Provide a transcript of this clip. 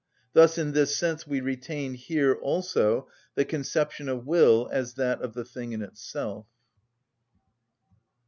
Thus in this sense we retain here also the conception of will as that of the thing in itself.